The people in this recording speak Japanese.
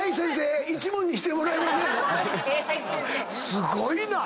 ⁉すごいな！